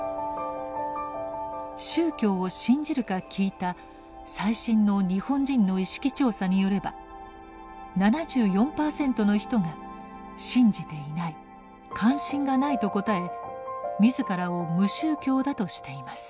宗教を信じるか聞いた最新の日本人の意識調査によれば７４％の人が「信じていない関心がない」と答え自らを無宗教だとしています。